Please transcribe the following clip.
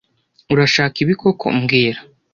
Urashaka ibi koko mbwira